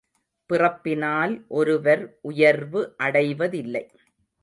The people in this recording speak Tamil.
பிறப்பினால் ஒருவர் உயர்வு அடைவதில்லை.